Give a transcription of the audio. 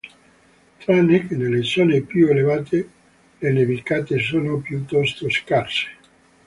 Tranne che nelle zone più elevate, le nevicate sono piuttosto scarse.